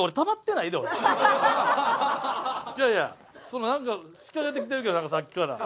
いやいやそのなんか近寄ってきてるけどさっきから。